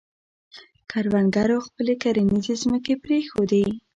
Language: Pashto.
کروندګرو خپلې کرنیزې ځمکې پرېښودې.